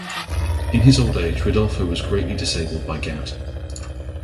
In his old age Ridolfo was greatly disabled by gout.